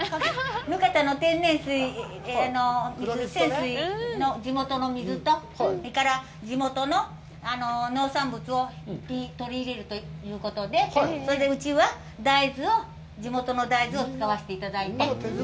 ぬかたの天然水にする仙水の地元の水と、それから地元の農産物を取り入れるということで、それでうちは、地元の大豆を使わせていただいて。